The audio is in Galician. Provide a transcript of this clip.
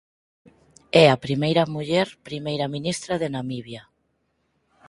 É a primeira muller Primeira ministra de Namibia.